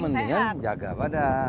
mendingan jaga badan